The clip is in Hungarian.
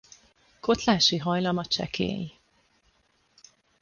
Kotlási hajlama csekély.